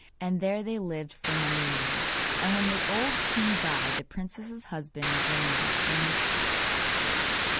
And there they lived for many years, and when the old king died the princess's husband reigned in his stead.